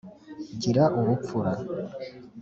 gira ubupfura